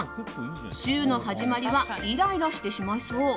週の始まりはイライラしてしまいそう。